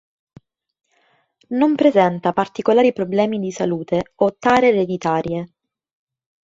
Non presenta particolari problemi di salute o tare ereditarie.